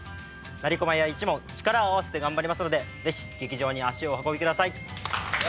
成駒屋一門力を合わせて頑張りますのでぜひ劇場に足をお運びください。